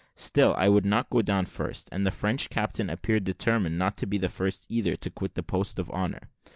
Still I would not go down first, and the French captain appeared determined not to be the first either to quit the post of honour.